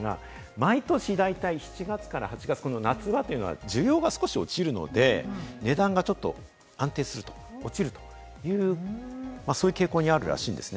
毎年大体７月から８月、夏場というのは需要が少し落ちるので、値段がちょっと安定すると落ちるという、そういう傾向にあるらしいんです。